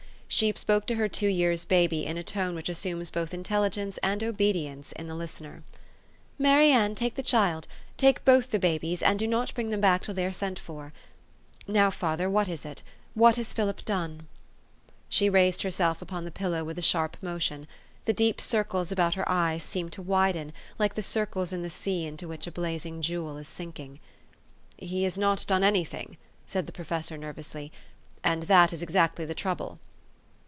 She spoke to her two years' baby in a tone which assumes both intelligence and obe dience in the listener. "Mary Ann, take the child take both the babies, and do not bring them back till they are sent for. Now, father, what is it? What has Philip done?" She raised herself upon the pillow with a sharp motion. The deep circles about her eyes seemed to widen, like the circles in the sea into which a blazing jewel is sinking. " He has not done any thing," said the professor nervously ;" and that is exactly the trouble."